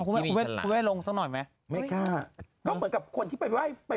ก็เหมือนกับคนที่